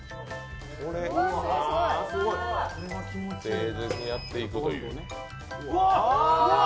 丁寧にやっていくという。